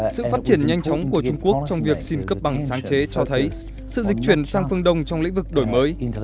sự phát triển nhanh chóng của trung quốc trong việc xin cấp bằng sáng chế cho thấy sự dịch chuyển sang phương đông trong lĩnh vực đổi mới